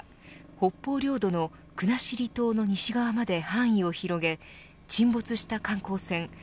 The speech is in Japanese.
北方領土の国後島の西側まで範囲を広げ沈没した観光船